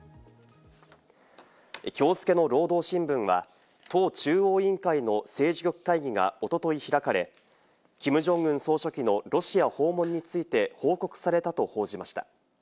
きょう付けの労働新聞は党中央委員会の政治局会議がおととい開かれ、キム・ジョンウン総書記のロシア訪問について報告されたと報じました。